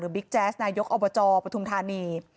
บิ๊กแจ๊สนายกอบจปฐุมธานี